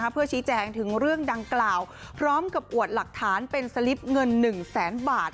เพื่อชี้แจงถึงเรื่องดังกล่าวพร้อมกับอวดหลักฐานเป็นสลิปเงิน๑แสนบาท